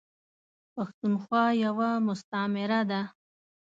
پښتونخوا یوه مستعمیره ده .